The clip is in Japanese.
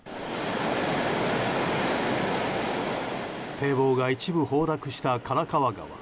堤防が一部崩落した唐川川。